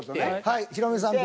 はいヒロミさん